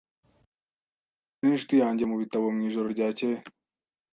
Nahuye ninshuti yanjye mubitabo mwijoro ryakeye.